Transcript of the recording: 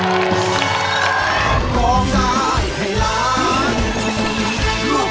ทุกวันเจ้าเก็บพุธ